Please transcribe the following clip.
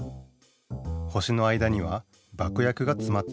星の間には爆薬がつまっている。